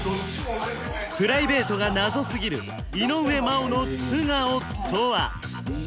プライベートが謎すぎる井上真央の素顔とは？